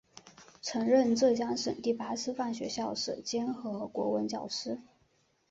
曾任浙江省第八师范学校舍监和国文教师。